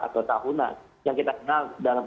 atau tahunan yang kita kenal dalam